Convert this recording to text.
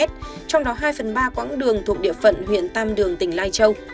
trong đó hai phần ba quãng đường thuộc địa phận huyện tam đường tỉnh lai châu